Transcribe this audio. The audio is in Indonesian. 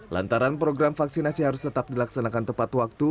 lantaran program vaksinasi harus tetap dilaksanakan tepat waktu